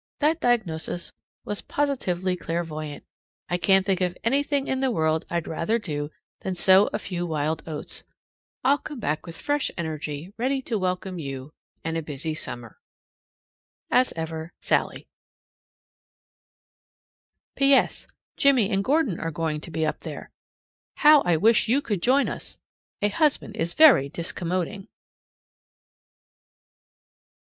That diagnosis was positively clairvoyant. I can't think of anything in the world I'd rather do than sow a few wild oats. I'll come back with fresh energy, ready to welcome you and a busy summer. As ever, SALLIE. P.S. Jimmie and Gordon are both going to be up there. How I wish you could join us! A husband is very discommoding.